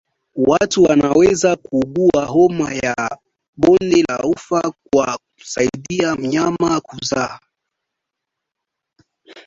Watu wanaweza kuugua homa ya bonde la ufa kwa kumsaidia mnyama kuzaa